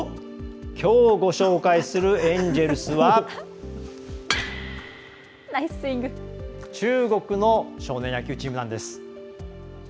きょうご紹介するエンジェルスは中国の少年野球チームなんです。